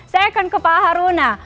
saya akan ke pak haruna